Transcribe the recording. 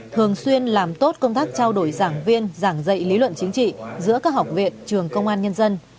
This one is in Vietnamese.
thường xuyên làm tốt công tác trao đổi giảng viên giảng dạy lý luận chính trị giữa các học viện trường công an nhân dân